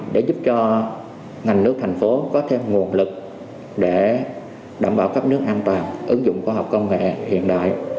để giúp cho ngành nước thành phố có thêm nguồn lực để đảm bảo cấp nước an toàn ứng dụng khoa học công nghệ hiện đại